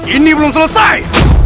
ini belum selesai